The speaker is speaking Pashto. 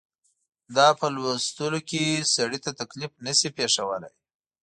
دا په لوستلو کې سړي ته تکلیف نه شي پېښولای.